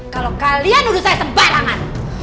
kalau kalian menurut saya sembarangan